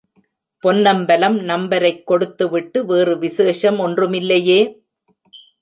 பொன்னம்பலம் நம்பரைக் கொடுத்துவிட்டு, வேறு விசேஷம் ஒன்றுமில்லையே?